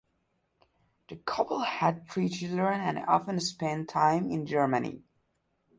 The couple had three children and often spent time in Germany.